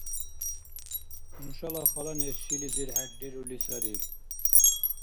Нушала хала неш шилизар хӀеррирули сари